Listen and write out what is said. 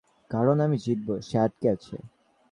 আমি এখানে আটকা পড়েছি।